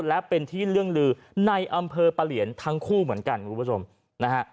และเป็นที่เรื่องลือในอำเภอประเหรียญทั้งคู่เหมือนกัน